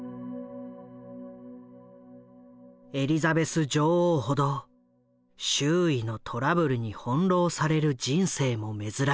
エリザベス女王ほど周囲のトラブルに翻弄される人生も珍しい。